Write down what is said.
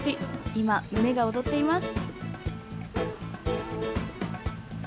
今、胸が躍っています。